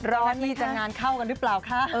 พี่จะงานเข้ากันหรือเปล่าคะ